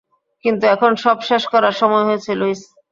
কিন্তু এখন সব শেষ করার সময় হয়েছে, লুইস।